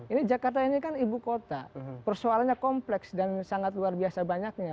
ini jakarta ini kan ibu kota persoalannya kompleks dan sangat luar biasa banyaknya